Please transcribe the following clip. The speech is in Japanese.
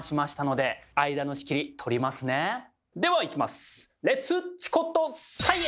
ではいきます！